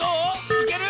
いける？